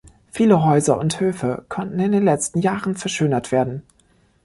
Viele Häuser und Höfe konnten in den letzten Jahren verschönert werden.